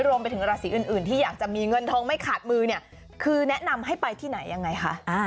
รวมไปถึงราศีอื่นที่อยากจะมีเงินทองไม่ขาดมือเนี่ยคือแนะนำให้ไปที่ไหนยังไงคะ